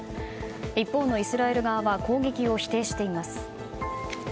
一方のイスラエル側は攻撃を否定しています。